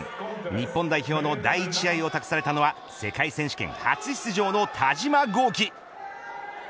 日本代表の第１試合を託されたのは世界選手権初出場の田嶋剛希。